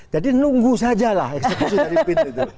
jadi nunggu sajalah eksekusi dari bin itu